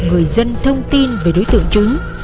người dân thông tin về đối tượng trứng